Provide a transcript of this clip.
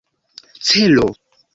celo